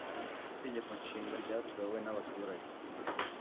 itegeko Nshinga ryatowe n'abaturage